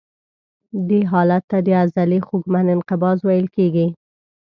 دې حالت ته د عضلې خوږمن انقباض ویل کېږي.